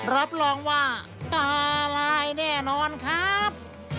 รับรองว่าตาลายแน่นอนครับ